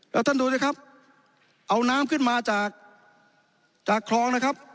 แล้วท่านดูสิครับเอาน้ำขึ้นมาจากจากคลองนะครับ